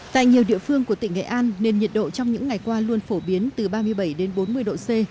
tại nhiều địa phương của tỉnh nghệ an nền nhiệt độ trong những ngày qua luôn phổ biến từ ba mươi bảy đến bốn mươi độ c